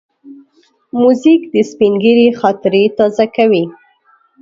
موزیک د سپینږیري خاطرې تازه کوي.